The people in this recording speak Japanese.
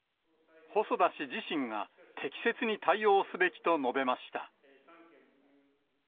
細田氏自身が、適切に対応すべきと述べました。